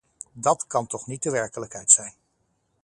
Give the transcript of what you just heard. Dat kan toch niet de werkelijkheid zijn.